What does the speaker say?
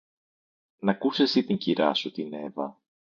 Ν' ακούς εσύ την κυρά σου την Εύα